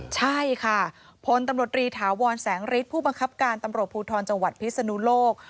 ใช่ค่ะพลตำรวจรีถาวรแสงฤทธิ์ผู้บังคับการตำรวจภูทรจังหวัดพิศนุโลก